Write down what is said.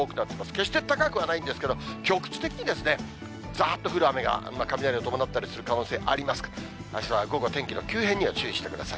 決して高くはないんですけれども、局地的にざーっと降る雨が、雷を伴ったりする可能性もありますから、午後は天気の急変に注意してください。